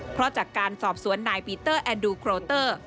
เพราะจากการสอบสวนนายปีเตอร์แอนดูโครเตอร์